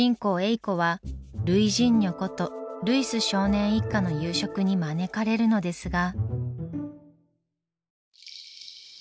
いこはルイジンニョことルイス少年一家の夕食に招かれるのですが。